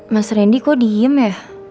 mas randy kok diem ya